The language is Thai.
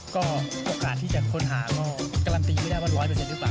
ก็โอกาสที่จะค้นหาก็การันตีไม่ได้ว่า๑๐๐หรือเปล่า